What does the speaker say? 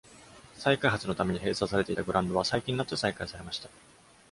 再開発のために閉鎖されていたグラウンドは、最近になって再開されました。